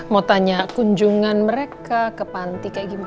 mau tanya kunjungan mereka ke panti kayak gimana